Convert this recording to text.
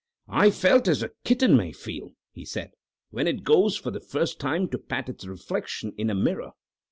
"I felt as a kitten may feel," he said, "when it goes for the first time to pat its reflection in a mirror."